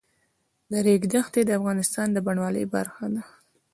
د ریګ دښتې د افغانستان د بڼوالۍ برخه ده.